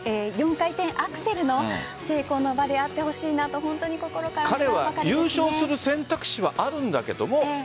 ４回転アクセルの成功の場であってほしいなと彼は優勝する選択肢はあるけど